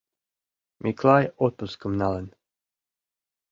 Миклай отпускым налын.